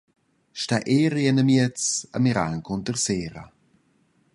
Star eri enamiez e mirar encunter sera.